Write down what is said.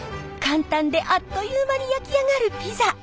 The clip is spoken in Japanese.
簡単であっという間に焼き上がるピザ。